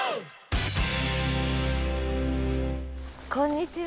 こんにちは。